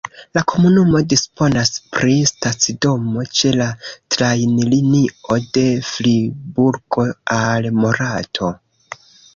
La komunumo disponas pri stacidomo ĉe la trajnlinio de Friburgo al Morato.